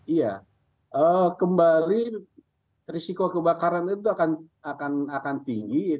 iya kembali risiko kebakaran itu akan tinggi